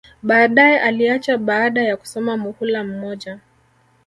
Baadae aliacha baada ya kusoma muhula mmoja